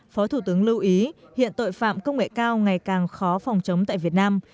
phó thủ tướng lưu ý hiện tội phạm công nghệ cao ngày càng khó phòng chống tại việt nam